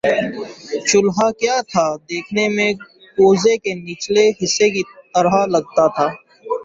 چولہا کیا تھا دیکھنے میں کوزے کے نچلے حصے کی طرح لگتا تھا